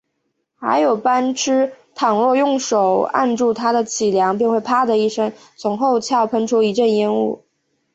还有斑蝥，倘若用手指按住它的脊梁，便会啪的一声，从后窍喷出一阵烟雾